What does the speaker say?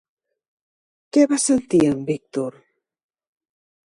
Què va sentir en Víctor?